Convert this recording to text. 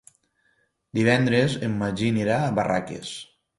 Divendres en Magí anirà a Barraques.